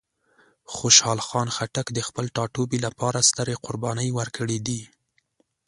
خوشحال خان خټک د خپل ټاټوبي لپاره سترې قربانۍ ورکړې دي.